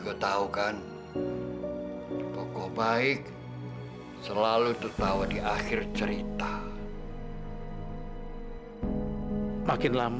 kalau enggak aku akan terus penasaran